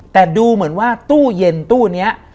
แต่ดูเหมือนว่าตู้เย็นตู้นี้